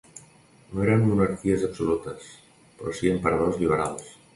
No eren monarquies absolutes, però si emperadors liberals.